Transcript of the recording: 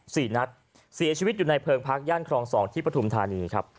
สี่นัดเสียชีวิตอยู่ในเพิงพักย่านครองสองที่ปฐุมธานีครับ